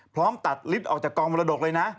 พร้อมตัดลิฟต์ออกจากกองมรดกเลยนะ